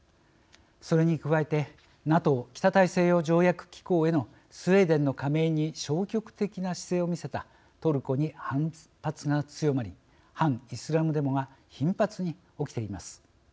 それに加えてＮＡＴＯ＝北大西洋条約機構へのスウェーデンの加盟に消極的な姿勢を見せたトルコに反発が強まり反イスラム・デモが頻発に起きています。